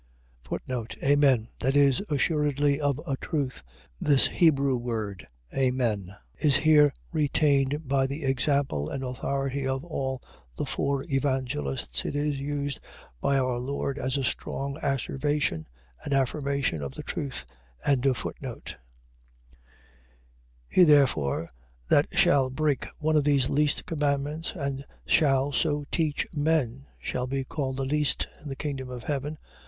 Amen. . .That is, assuredly of a truth. . .This Hebrew word, amen, is here retained by the example and authority of all the four Evangelists. It is used by our Lord as a strong asseveration, and affirmation of the truth. 5:19. He therefore that shall break one of these least commandments, and shall so teach men shall be called the least in the kingdom of heaven.